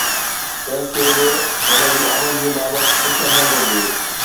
ڪنهن کي به هن جي آمدني بابت پڇڻ نه گهرجي